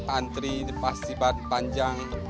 antri pasti panjang